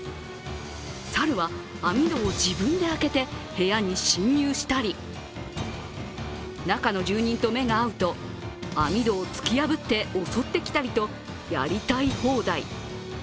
サルは、網戸を自分で開けて部屋に侵入したり中の住人と目が合うと網戸を突き破って襲ってきたりと、やりたい放題。